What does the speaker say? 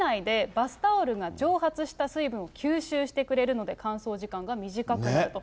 洗濯機内でバスタオルが蒸発した水分を吸収してくれるので乾燥時間が短くなると。